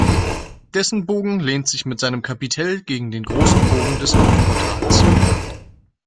Dessen Bogen lehnt sich mit seinem Kapitell gegen den großen Bogen des Hauptportals.